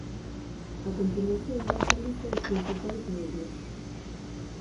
A continuación dáse a lista dos principais medios.